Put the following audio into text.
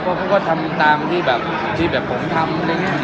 เพราะเขาก็ทำตามที่แบบที่แบบผมทำอะไรอย่างนี้